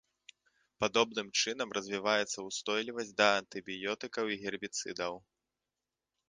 Падобным чынам развіваецца ўстойлівасць да антыбіётыкаў і гербіцыдаў.